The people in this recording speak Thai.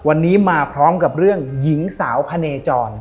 วันนี้มาพร้อมกับเรื่องหญิงสาวพะเนจร